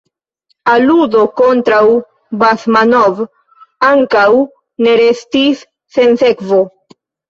Aludo kontraŭ Basmanov ankaŭ ne restis sen sekvo.